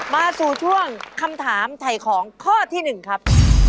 มาสู่ช่วงคำถามไถ่ของข้อที่๑ครับ